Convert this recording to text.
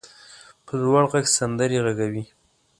په لوړ غږ سندرې غږوي.